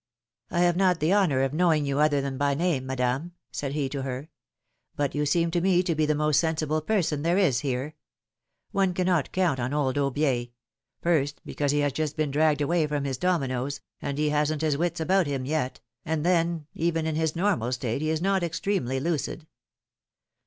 I have not the honor of knowing you other than by name, Madame,^' said he to her; ^^but you seem to me to be the most sensible person there is here. One cannot count on old Aubier ; first, because he has just been dragged away from his dominos, and he hasn^t his wits about him yet, and then, even in his normal state he is not extremely lucid